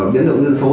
biến động dân số